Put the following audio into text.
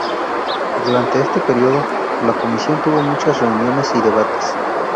Durante este período, la comisión tuvo muchas reuniones y debates.